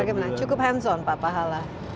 bagaimana cukup hands on pak pahala